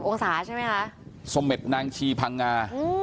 ๓๖๐องศาใช่ไหมฮะสมมตินางชีพังงา